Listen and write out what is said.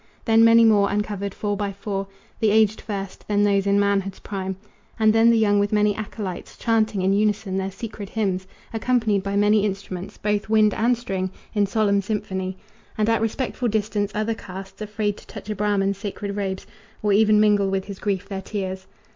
Then many more, uncovered, four by four, The aged first, then those in manhood's prime, And then the young with many acolytes Chanting in unison their sacred hymns, Accompanied by many instruments, Both wind and string, in solemn symphony; And at respectful distance other castes, Afraid to touch a Brahman's sacred robes Or even mingle with his grief their tears.